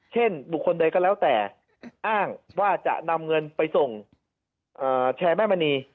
เช่นบุคคลใดก็แล้วแต่อ้างว่าจะนำเงินไปส่งแชร์แม่มณี